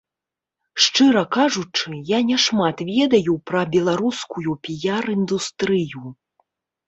Шчыра кажучы, я няшмат ведаю пра беларускую піяр-індустрыю.